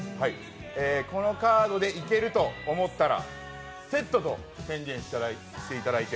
このカードでいけると思ったら「セット」と宣言していただいて